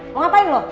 mau ngapain lu